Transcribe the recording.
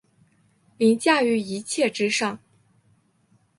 凌驾於一切之上